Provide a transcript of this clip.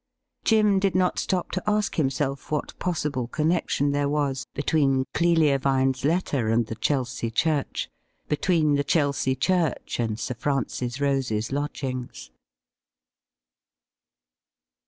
Jim did not stop to ask himself what possible connection there was between Clelia Vine's letter and the Chelsea church, between the Chelsea church and Sir Francis Rose's lodgings.